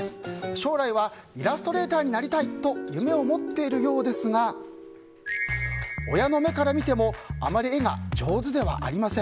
将来は、イラストレーターになりたいと夢を持っているようですが親の目から見てもあまり絵が上手ではありません。